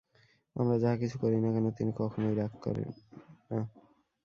আমরা যাহা কিছু করি না কেন, তিনি কখনই রাগ করেন না।